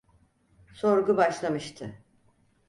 Sorgu başlamıştı.